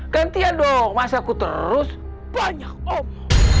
gantian dong masa aku terus banyak omong